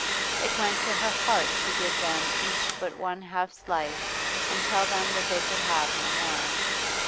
It went to her heart to give them each but one half slice and tell them that they could have no more.